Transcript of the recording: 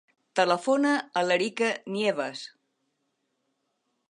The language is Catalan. Telefona a l'Erica Nieves.